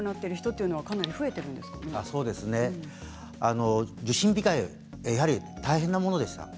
そうですね、受診控えやはり大変なものでした。